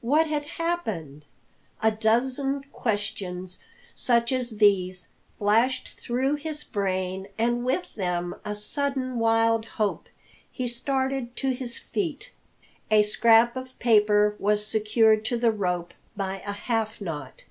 What had happened? A dozen questions such as these flashed through his brain, and with them a sudden wild hope. He started to his feet. A scrap of paper was secured to the rope by a half knot.